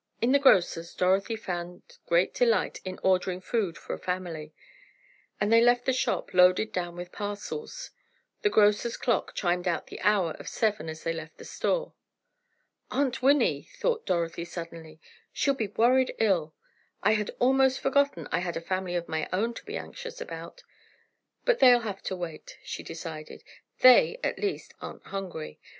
In the grocer's Dorothy found great delight in ordering food for a family, and they left the shop, loaded down with parcels. The grocer's clock chimed out the hour of seven as they left the store. "Aunt Winnie," thought Dorothy suddenly, "she'll be worried ill! I had almost forgotten I had a family of my own to be anxious about. But they'll have to wait," she decided, "they, at least, aren't hungry.